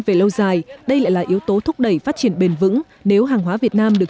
trong thời gian này đây lại là yếu tố thúc đẩy phát triển bền vững nếu hàng hóa việt nam được